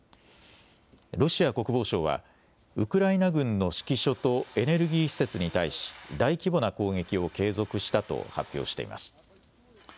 ロシア国防省は、ウクライナ軍の指揮所とエネルギー施設に対し、大規模な攻撃を継続したと発表しています。